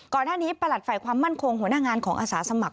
ประหลัดฝ่ายความมั่นคงหัวหน้างานของอาสาสมัคร